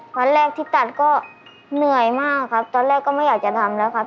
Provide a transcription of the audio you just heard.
ตอนแรกที่ตัดก็เหนื่อยมากครับตอนแรกก็ไม่อยากจะทำแล้วครับ